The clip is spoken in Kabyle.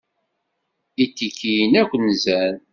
Itikiyen akk nzan.